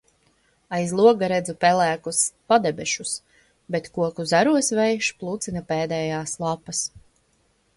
Aiz loga redzu pelēkus padebešus, bet koku zaros vējš plucina pēdējās lapas.